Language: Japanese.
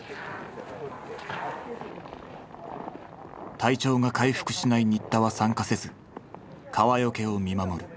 体調が回復しない新田は参加せず川除を見守る。